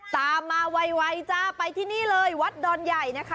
ตามมาไวจ้าไปที่นี่เลยวัดดอนใหญ่นะคะ